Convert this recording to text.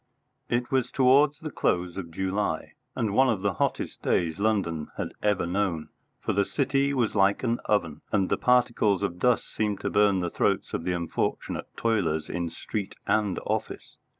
It was towards the close of July, and one of the hottest days London had ever known, for the City was like an oven, and the particles of dust seemed to burn the throats of the unfortunate toilers in street and office.